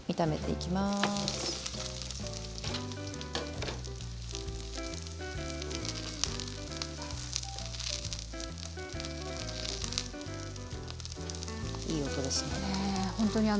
いい音ですね。